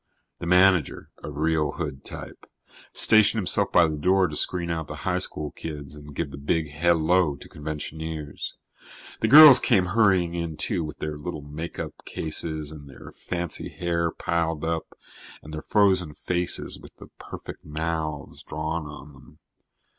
The manager, a real hood type, stationed himself by the door to screen out the high school kids and give the big hello to conventioneers. The girls came hurrying in, too, with their little makeup cases and their fancy hair piled up and their frozen faces with the perfect mouths drawn on them.